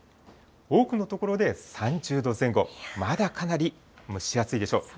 多くの所で３０度前後、まだかなり蒸し暑いでしょう。